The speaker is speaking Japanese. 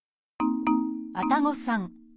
愛宕さん。